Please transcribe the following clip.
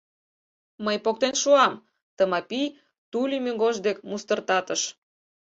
Мый поктен шуам, — Тымапи ту лӱмегож дек мустыртатыш.